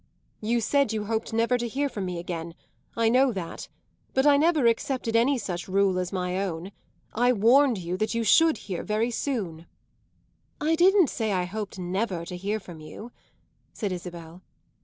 "You said you hoped never to hear from me again; I know that. But I never accepted any such rule as my own. I warned you that you should hear very soon." "I didn't say I hoped never to hear from you," said Isabel.